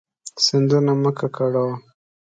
سیندونه مه ککړوه.